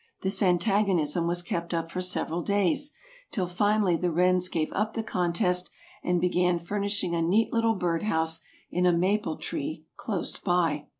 This antagonism was kept up for several days, till finally the wrens gave up the contest and began furnishing a neat little bird house in a maple tree close by.